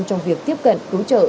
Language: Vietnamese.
trong việc tiếp cận cứu trợ